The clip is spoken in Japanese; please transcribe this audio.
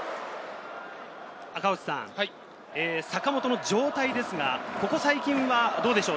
坂本の状態ですが、ここ最近はどうでしょう？